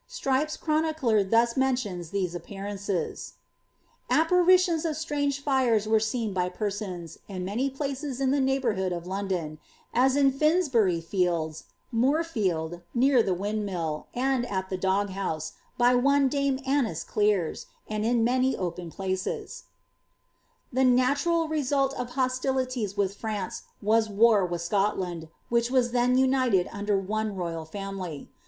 Strype'^s chronicler thus mentions these appearances :—^ Apparitions of strange fires were seen by persons, in many places in the neighbourhood of London ; as in Finsbury Fields, Moorfield, near the windmill and at the dog house, by one dame Annice Clere's, and in many opci places." * ^Strype, vol. iii p. 509. KAET. 280 The natural result of hostilities with Fiance was war with Scotland, which was then united under one royal family.